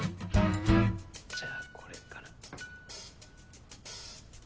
じゃあこれから。